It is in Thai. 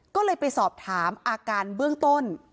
ก็เลยไปสอบถามอาการเบื้องต้น